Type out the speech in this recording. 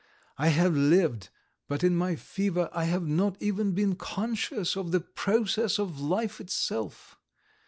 I have lived, but in my fever I have not even been conscious of the process of life itself.